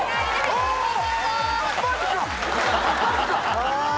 ああ！